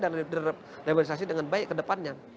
dan liberalisasi dengan baik kedepannya